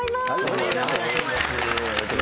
ありがとうございます。